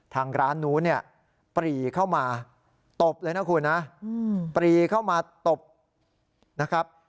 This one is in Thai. ทางร้านนู้นเนี่ยปรีเข้ามาตบเลยนะคุณนะปรีเข้ามาตบนะครับ